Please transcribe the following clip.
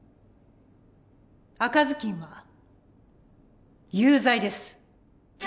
赤ずきんは有罪です。